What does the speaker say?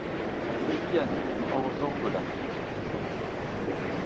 Ce viaduc enjambe la Touvre.